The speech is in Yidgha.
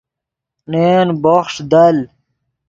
نے ین بوخݰ دل